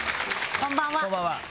こんばんは。